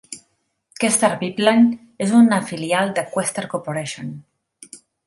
Questar Pipeline és una filial de Questar Corporation.